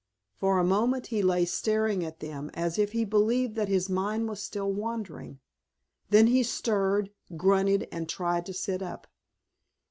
For a moment he lay staring at them as if he believed that his mind was still wandering. Then he stirred, grunted, and tried to sit up.